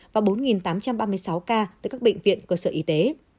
và bốn tám trăm ba mươi sáu ca tại các bệnh viện cơ sở y tế